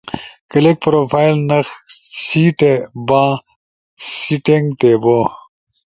کلک پروفائل نخ سیٹھے باں سیٹینگ تے بوں